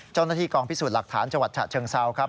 เจ้าหน้าที่กองพิสูจน์หลักฐานจังหวัดฉะเชิงเซาครับ